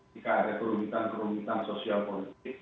jika ada kerugitan kerugitan sosial politis